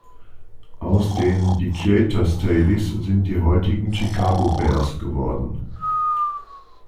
Aus den Decatur Staleys sind die heutigen Chicago Bears geworden.